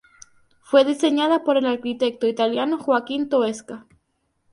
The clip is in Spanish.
Fue diseñada por el arquitecto italiano Joaquín Toesca.